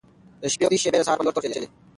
د شپې وروستۍ شېبې د سهار په لور تښتېدې.